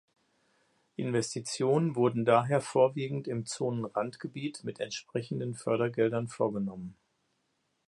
Investitionen wurden daher vorwiegend im Zonenrandgebiet mit entsprechenden Fördergeldern vorgenommen.